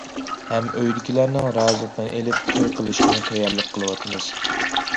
ھەم ئۆيدىكىلەرنىڭ رازىلىقىنى ئېلىپ، توي قىلىشقىمۇ تەييارلىق قىلىۋاتىمىز.